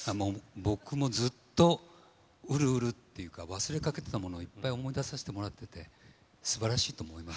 僕もずっとうるうるっていうか、忘れかけたものをいっぱい思い出させてもらってて、すばらしいと思います。